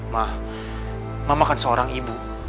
ma ma ma kan seorang ibu